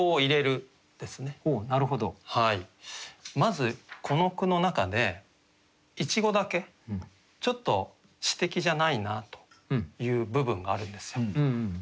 ポイントはまずこの句の中で一語だけちょっと詩的じゃないなという部分があるんですよ。